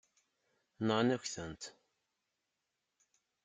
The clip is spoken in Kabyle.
Nɣan-ak-tent.